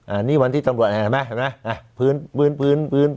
อันนี้วันที่ตรงรวจอ่าเห็นไหมเห็นไหมอ่ะพื้นพื้นพื้น